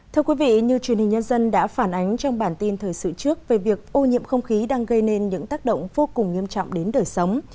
thưa quý vị như truyền hình nhân dân đã phản ánh trong bản tin thời sự trước về việc ô nhiễm không khí đang gây nên những tác động vô cùng nghiêm trọng đến đời sống